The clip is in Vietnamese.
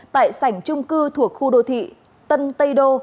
tại sảnh trung cư thuộc khu đô thị tân tây đô